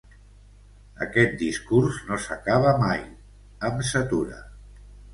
Aquest discurs no s'acaba mai: em satura.